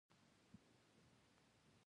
چرګان د افغان تاریخ په کتابونو کې ذکر شوي دي.